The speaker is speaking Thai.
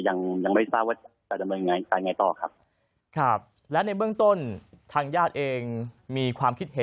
ยังยังไม่ทราบว่าจะดำเนินงานการไงต่อครับครับและในเบื้องต้นทางญาติเองมีความคิดเห็น